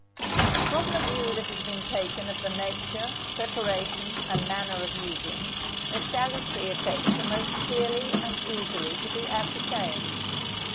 From the view that has been taken of the nature, preparation, and manner of using, the salutary effects are most clearly and easily to be ascertained.